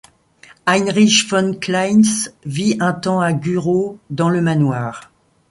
Heinrich von Kleist vit un temps à Guhrow, dans le manoir.